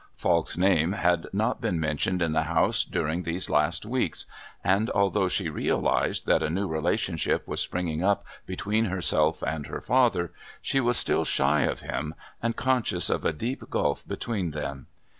Falk's name had not been mentioned in the house during these last weeks, and, although she realised that a new relationship was springing up between herself and her father, she was still shy of him and conscious of a deep gulf between them.